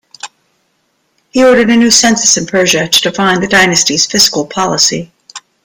He ordered a new census in Persia to define the Dynasty's fiscal policy.